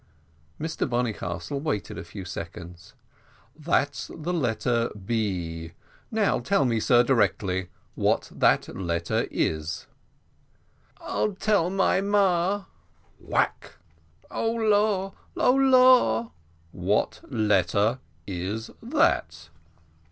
Mr Bonnycastle waited a few seconds. "That's the letter B. Now tell me, sir, directly, what that letter is." "I'll tell my mar." Whack! "O law! O law!" "What letter is that?"